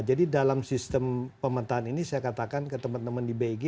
jadi dalam sistem pemetaan ini saya katakan ke teman teman di big